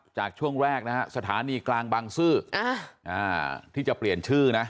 ช่วงแรกนะฮะสถานีกลางบางซื่อที่จะเปลี่ยนชื่อนะ